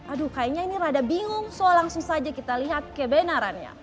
aduh kayaknya ini rada bingung soal langsung saja kita lihat kebenarannya